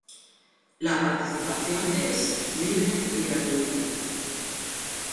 La participación es libre y gratuita.